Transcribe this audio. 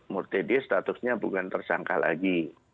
murtedi statusnya bukan tersangka lagi